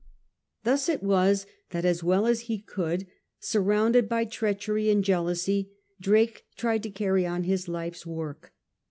Thus it was that as well as he could, surrounded by treachery and jealousy, Drake tried to carry on his life's work.